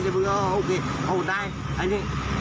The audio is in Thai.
ผมก็คอนแบบนี้